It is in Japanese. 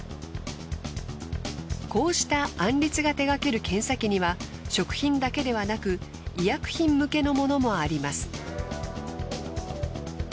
こうしたアンリツが手がける検査機には食品だけではなく医薬品向けのものもあります。